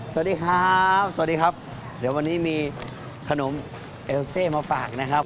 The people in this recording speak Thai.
สวัสดีครับสวัสดีครับเดี๋ยววันนี้มีขนมเอลเซมาฝากนะครับ